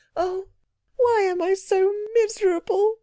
'Oh, why am I so miserable?'